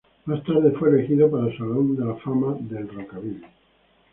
Más tarde fue elegido para Salón de la Fama del Rockabilly.